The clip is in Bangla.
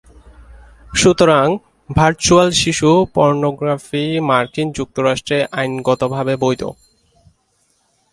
সুতরাং, ভার্চুয়াল শিশু পর্নোগ্রাফি মার্কিন যুক্তরাষ্ট্রে আইনগতভাবে বৈধ।